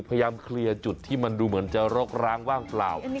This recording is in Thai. พยายามเคลียร์จุดที่มันดูเหมือนจะรกร้างว่างเปล่า